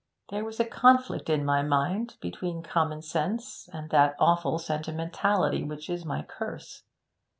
There was a conflict in my mind, between common sense and that awful sentimentality which is my curse.